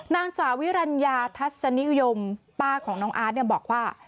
นางสาวิรัญญาทัศนิยมป้าของน้องอาร์ตบอกว่า